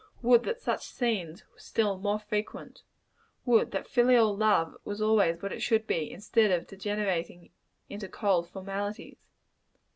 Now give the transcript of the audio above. Would that such scenes were still more frequent! Would that filial love was always what it should be, instead of degenerating into cold formalities.